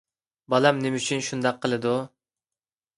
بالام نېمە ئۈچۈن شۇنداق قىلىدۇ؟